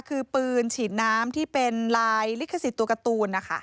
คือปืนฉีดน้ำที่เป็นลายลิขสิทธิ์ตัวการ์ตูนนะคะ